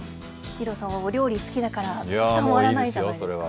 お料理好きだからたまらないんじゃないですか。